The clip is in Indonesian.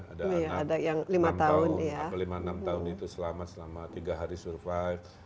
ada anak yang lima enam tahun itu selamat selama tiga hari survive